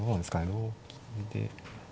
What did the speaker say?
同金で。